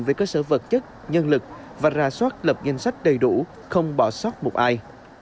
về cơ sở vật chất nhân lực và ra soát lập danh sách đầy đủ không bỏ sót một ai